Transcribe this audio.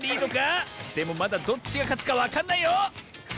でもまだどっちがかつかわかんないよ！